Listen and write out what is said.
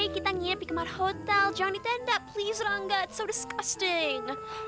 kita nginep kemar hotel jangan ditendap please rangga it's so disgusting